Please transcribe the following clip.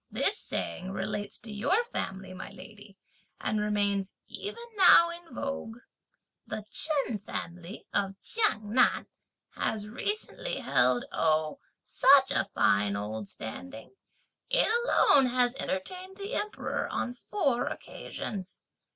This saying relates to your family, my lady, and remains even now in vogue. The Chen family of Chiang Nan has recently held, oh such a fine old standing! it alone has entertained the Emperor on four occasions!